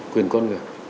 quyền con người